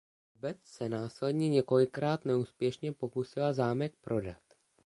Obec se následně několikrát neúspěšně pokusila zámek prodat.